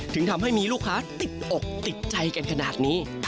ถึงทำให้มีลูกค้าติดอกติดใจกันขนาดนี้